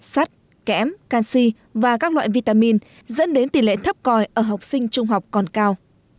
sắt kẽm canxi và các loại vitamin dẫn đến tỷ lệ thấp còi ở học sinh trung học còn cao